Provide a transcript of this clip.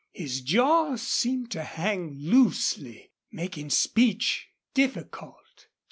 His jaw seemed to hang loosely, making speech difficult.